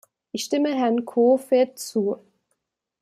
Ich stimme Herrn Kofoed zu.